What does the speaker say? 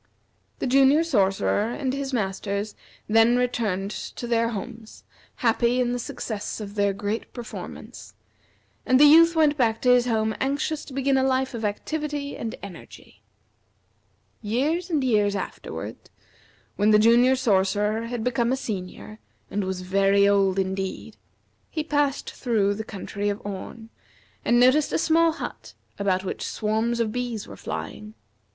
The Junior Sorcerer and his Masters then returned to their homes, happy in the success of their great performance; and the Youth went back to his home anxious to begin a life of activity and energy. Years and years afterward, when the Junior Sorcerer had become a Senior and was very old indeed, he passed through the country of Orn, and noticed a small hut about which swarms of bees were flying.